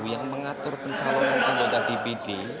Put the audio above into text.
yang mengatur pencalonan anggota dpd